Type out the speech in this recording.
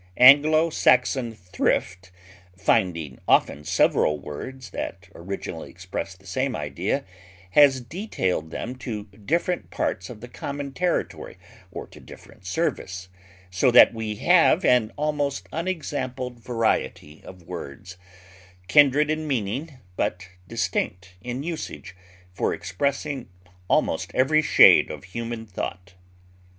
Anglo Saxon thrift, finding often several words that originally expressed the same idea, has detailed them to different parts of the common territory or to different service, so that we have an almost unexampled variety of words, kindred in meaning but distinct in usage, for expressing almost every shade of human thought.